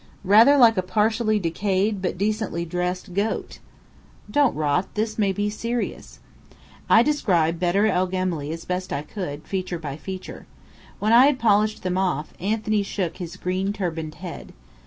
"Rather like a partially decayed but decently dressed goat." "Don't rot. This may be serious." I described Bedr el Gemály as best I could, feature by feature. When I had polished them off, Anthony shook his green turbaned head.